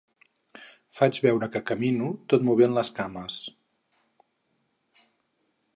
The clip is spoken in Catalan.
Faig veure que camino tot movent les cames.